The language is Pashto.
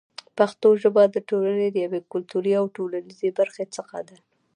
پښتو ژبه د ټولنې له یوې کلتوري او ټولنیزې برخې څخه ده.